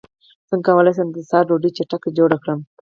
څنګه کولی شم د سحر ډوډۍ چټکه جوړه کړم